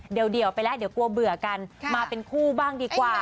เดี๋ยวไปแล้วเดี๋ยวกลัวเบื่อกันมาเป็นคู่บ้างดีกว่า